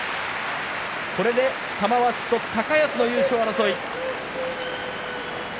これで玉鷲と高安の優勝争い。